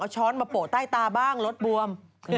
ช้อนมาโปะใต้ตาบ้างรถบวม